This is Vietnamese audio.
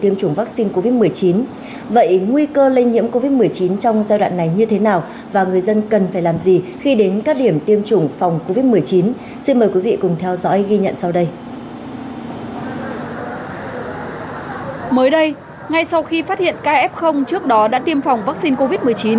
mới đây ngay sau khi phát hiện kf trước đó đã tiêm phòng vaccine covid một mươi chín